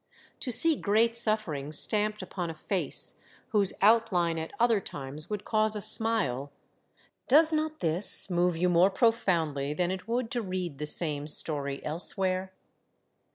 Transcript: To see great suffering stamped upon a face whose outline at other times would cause a smile, does not this move you more profoundly than it would to read the same story elsewhere?